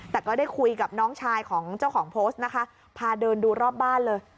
แต่ก็ได้คุยกับน้องชายของเจ้าของโพสต์นะคะพาเดินดูรอบบ้านเลย